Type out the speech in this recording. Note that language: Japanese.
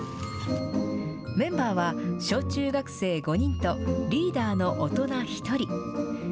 メンバーは、小中学生５人と、リーダーの大人１人。